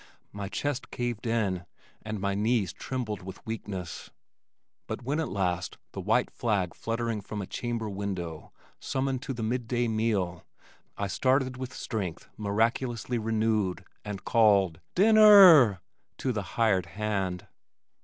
My chest caved in and my knees trembled with weakness, but when at last the white flag fluttering from a chamber window summoned to the mid day meal, I started with strength miraculously renewed and called, "Dinner!" to the hired hand.